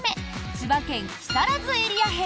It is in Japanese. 千葉県木更津エリア編。